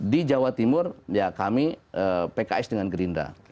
di jawa timur ya kami pks dengan gerindra